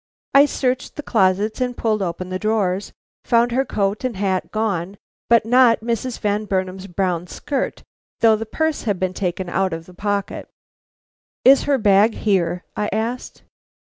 I searched the closets and pulled open the drawers; found her coat and hat gone, but not Mrs. Van Burnam's brown skirt, though the purse had been taken out of the pocket. "Is her bag here?" I asked.